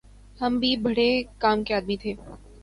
ہم بھی بھڑے کام کے آدمی تھے